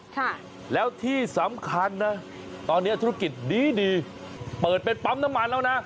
ค่ะแล้วที่สำคัญนะตอนนี้ธุรกิจดีดีเปิดเป็นปั๊มน้ำมันแล้วนะ